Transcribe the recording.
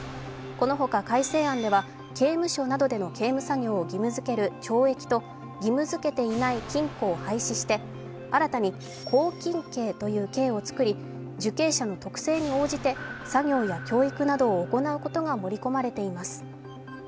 このほか改正案では刑務所などでの刑務作業を義務づける懲役と義務づけていない禁錮を廃止して、新たに拘禁刑という刑を作り、受刑者の特性に応じて作業や教育などを行うことが盛り込まれています。